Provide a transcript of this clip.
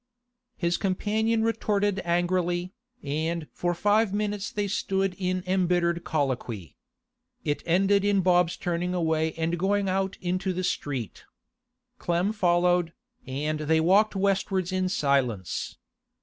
His companion retorted angrily, and for five minutes they stood in embittered colloquy. It ended in Bob's turning away and going out into the street. Clem followed, and they walked westwards in silence.